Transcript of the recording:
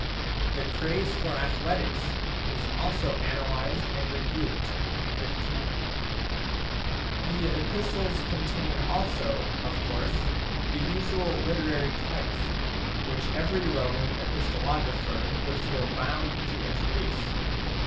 The craze for athletics is also analyzed and rebuked (XV.). xi Digitized by INTRODUCTION The Epistles contain also, of course, the usual literary types which every Roman epistolographer would feel bound to introduce.